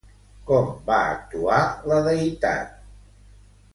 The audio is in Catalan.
Com va actuar la deïtat?